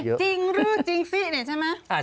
จริงหรือจริงซิเนี่ยใช่ไหม